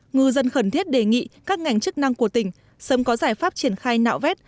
ngư dân khẩn thiết đề nghị các ngành chức năng của tỉnh sớm có giải pháp triển khai nạo vét